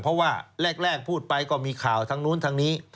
เพราะว่าแรกพูดไปก็มีข่าวทางนู้นทางนี้